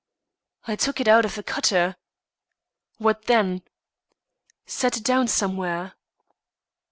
"I took it out of the cutter." "What, then?" "Set it down somewhere."